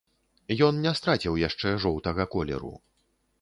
Ён не страціў яшчэ жоўтага колеру.